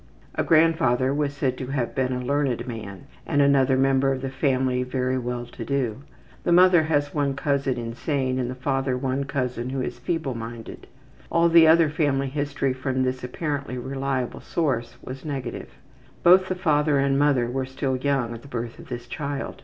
A grandfather was said to have been a learned man and another member of the family very well to do. The mother has one cousin insane and the father one cousin who is feebleminded. All the other family history from this apparently reliable source was negative. Both the father and mother were still young at the birth of this child.